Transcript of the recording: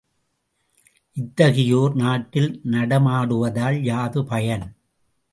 இத்தகையோர் நாட்டில் நடமாடுவதால் யாது பயன்?